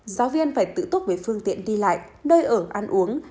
giáo viên phải tự túc về phương tiện đi lại nơi ở ăn uống